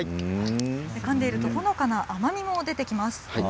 かんでいるとほのかな甘みも出てきます。